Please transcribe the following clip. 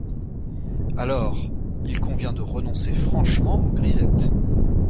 Alors, il convient de renoncer franchement aux grisettes.